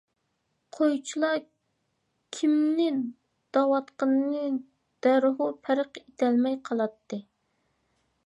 قويچىلار كىمنى دەۋاتقىنىنى دەررۇ پەرق ئېتەلمەي قالاتتى.